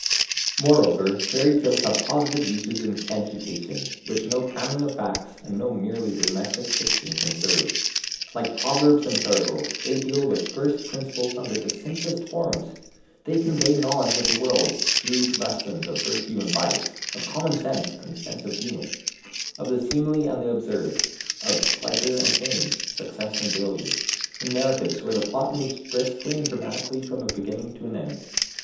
Moreover fairy tales have positive uses in education, which no cramming of facts, and no merely domestic fiction can serve. Like Proverbs and Parables, they deal with first principles under the simplest forms. They convey knowledge of the world, shrewd lessons of virtue and vice, of common sense and sense of humour, of the seemly and the absurd, of pleasure and pain, success and failure, in narratives where the plot moves briskly and dramatically from a beginning to an end.